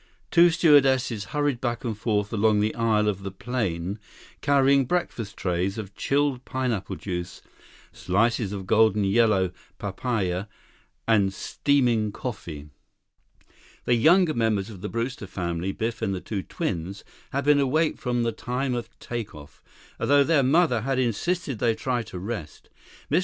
Two stewardesses hurried back and forth along the aisle of the plane, carrying breakfast trays of chilled pineapple juice, slices of golden yellow papaya, and steaming coffee. 19 The younger members of the Brewster family, Biff and the twins, had been awake from the time of take off, although their mother had insisted they try to rest. Mr.